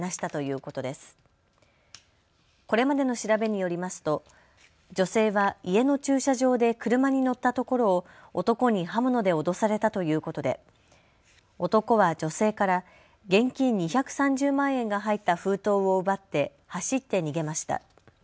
これまでの調べによりますと女性は家の駐車場で車に乗ったところを男に刃物で脅されたということで男は女性から現金２３０万円が入った封筒を奪って走って逃げました。